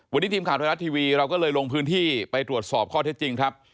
วันนี้ทีมข่าวไทยรัฐทีวีเราก็เลยลงพื้นที่ไปตรวจสอบข้อเท็จจริงครับ